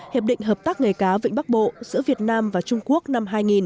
hiệp định hợp tác ngày cá vịnh bắc bộ giữa việt nam và trung quốc năm hai nghìn